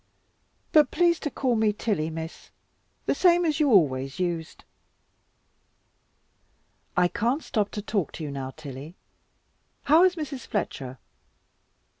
But please to call me 'Tilly,' Miss, the same as you always used." "I can't stop to talk to you now, Tilly; how is Mrs. Fletcher?"